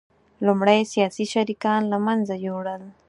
لومړی سیاسي شریکان له منځه یوړل